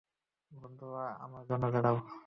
বন্ধুরা, আমার জন্য দাঁড়াও!